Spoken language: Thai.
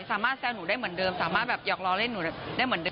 สามารถแซวหนูได้เหมือนเดิมสามารถหยอกรอเล่นหนูได้เหมือนเดิม